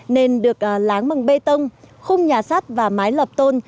nên được láng bằng bê tông khung nhà sắt và mái lập tôn